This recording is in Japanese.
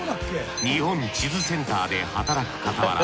日本地図センターで働くかたわら